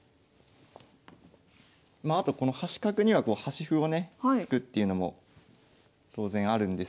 まああとこの端角にはこう端歩をね突くっていうのも当然あるんですけど。